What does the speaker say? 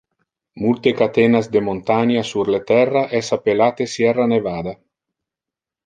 Multe catenas de montania sur le terra es appellate Sierra Nevada.